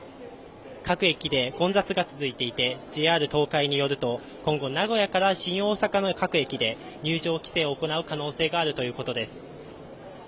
各駅で混雑が続いていてＪＲ東海によると今後名古屋から新大阪の各駅で入場規制を行う可能性があるということです